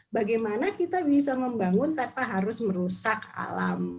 bagaimana kita bisa membangun tanpa harus merusak alam